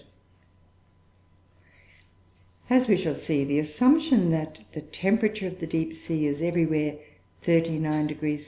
] As we shall see, the assumption that the temperature of the deep sea is everywhere 39° F.